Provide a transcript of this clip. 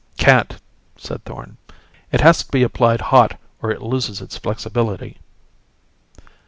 "Can't," said Thorn. "It has to be applied hot or it loses its flexibility."